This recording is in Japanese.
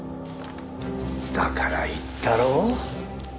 だから言ったろう。